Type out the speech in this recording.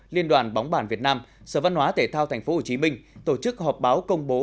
liên đoàn bóng bản việt nam sở văn hóa thể thao tp hcm tổ chức họp báo công bố